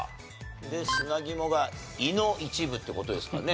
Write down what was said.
で砂肝が胃の一部って事ですかね？